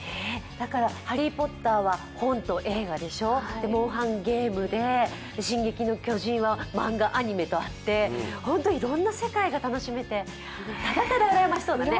「ハリー・ポッター」は本と映画でしょう、「モンハン」はゲームで「進撃の巨人」は漫画、アニメとあって、本当にいろんな世界が楽しめて、ただただうらやましそうだね。